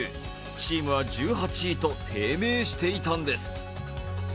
チームは１８位と低迷していたんです。